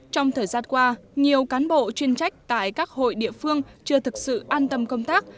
trong thời gian qua nhiều cán bộ chuyên trách tại các hội địa phương chưa thực sự an tâm công tác